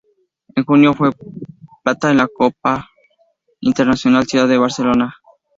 En junio fue plata en la V Copa Internacional Ciudad de Barcelona.